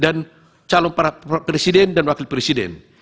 dan calon para presiden dan wakil presiden